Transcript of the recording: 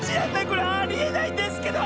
これありえないんですけど！